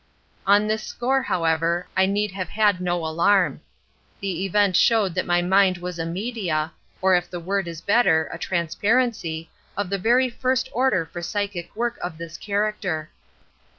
On this score, however, I need have had no alarm. The event showed that my mind was a media, or if the word is better, a transparency, of the very first order for psychic work of this character.